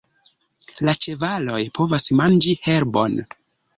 La ĉevaloj povas manĝi herbon.